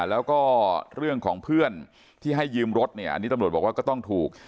แล้วก็เรื่องของเพื่อนที่ให้ยืมรถเนี่ยอันนี้ตำรวจบอกว่าก็ต้องถูก